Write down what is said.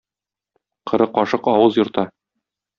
Коры кашык авыз ерта.